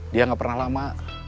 dia gak pernah lama